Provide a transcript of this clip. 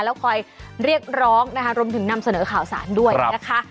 แล้วคอยเรียกร้องนะคะรวมถึงนำเสนอข่าวสารด้วยนะคะ